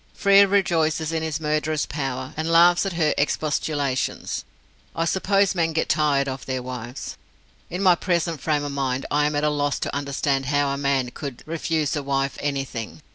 Frere rejoices in his murderous power, and laughs at her expostulations. I suppose men get tired of their wives. In my present frame of mind I am at a loss to understand how a man could refuse a wife anything.